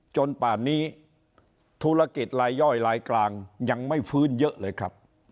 ป่านนี้ธุรกิจลายย่อยลายกลางยังไม่ฟื้นเยอะเลยครับ